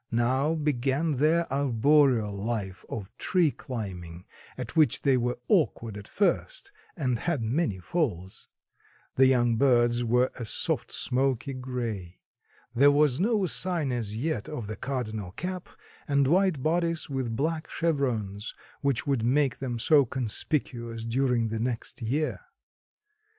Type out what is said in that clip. Now began their arboreal life of tree climbing at which they were awkward at first and had many falls. The young birds were a soft smoky gray. There was no sign as yet of the cardinal cap and white bodice with black chevrons, which would make them so conspicuous during the next year.